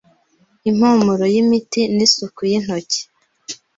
impumuro yimiti nisuku yintoki,